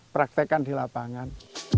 praktekkan di lapangan